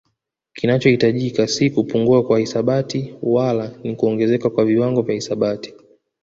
Kinachohitajika si kupungua kwa hisabati wala ni kuongezeka kwa viwango vya hisabati